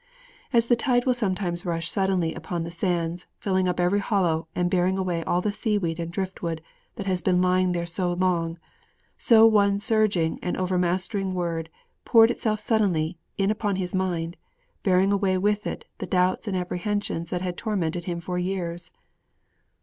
As the tide will sometimes rush suddenly up the sands, filling up every hollow and bearing away all the seaweed and driftwood that has been lying there so long, so one surging and overmastering word poured itself suddenly in upon his mind, bearing away with it the doubts and apprehensions that had tormented him for years.